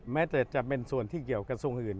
แม้แต่จะเป็นส่วนที่เกี่ยวกระทรวงอื่น